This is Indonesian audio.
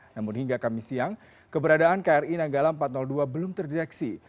namun hingga kami siang keberadaan kri nanggala empat ratus dua belum terdeteksi